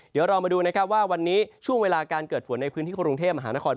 เดี๋ยวเรามาดูนะครับว่าวันนี้ช่วงเวลาการเกิดฝนในพื้นที่กรุงเทพมหานคร